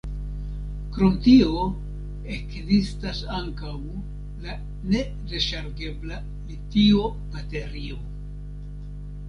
Krom tio ekzistas ankaŭ la ne-reŝargebla litio-baterio.